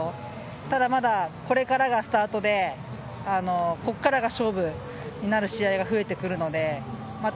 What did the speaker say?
ただ、まだこれからがスタートでここからが勝負になる試合が増えてくるのでまた